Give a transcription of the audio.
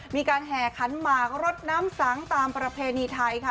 มีการแห่คันมารถน้ำสังตามประเพณีไทยค่ะ